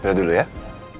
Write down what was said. din aku lagi kesana rinda